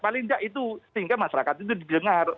paling tidak itu tingkat masyarakat itu di dengar